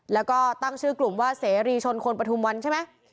แล้วก็ตั้งชื่อกลุ่มว่าเสรีชนคนปฐุมวันใช่ไหม